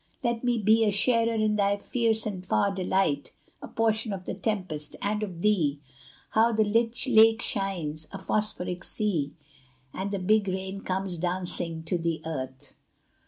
let me be A sharer in thy fierce and far delight A portion of the tempest and of thee! How the lit lake shines, a phosphoric sea, And the big rain comes dancing to the earth!